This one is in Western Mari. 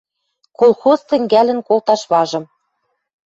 Колхоз тӹнгӓлӹн колташ важым.